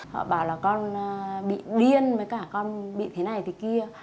họ bảo là con bị điên với cả con bị thế này thế kia